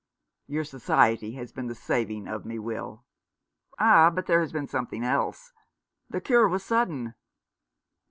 " Your society has been the saving of me, Will." "Ah, but there has been something else. The cure was sudden."